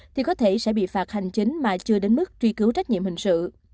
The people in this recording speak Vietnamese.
thì có thể sẽ bị phạt hành chính mà chưa đến mức truy cứu trách nhiệm hình sự